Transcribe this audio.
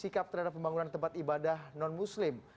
sikap terhadap pembangunan tempat ibadah non muslim